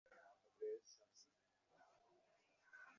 তিনি মনে করতেন, আমরা ইউরোপিয়দের প্রযুক্তি ও টেকনোলজি নিতে পারি।